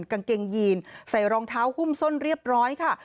กางเกงยีนใส่รองเท้าหุ้มส้นเรียบร้อยค่ะ